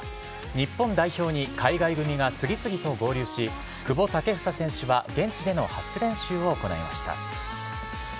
日本代表に海外組が次々と合流し、久保建英選手は現地での初練習を行いました。